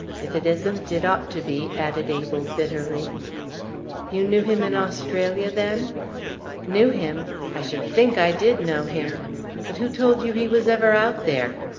If it isn't, it ought to be!" added Abel, bitterly. "You knew him in Australia, then?" "Knew him? I should think I did know him! But who told you he was ever out there?